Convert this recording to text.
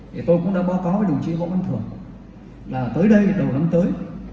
thì tôi cũng đã báo cáo với đồng chí võ văn thưởng là tới đây đầu năm tới